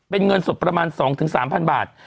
เป็นเงินสดประมาณ๒๓๐๐บาท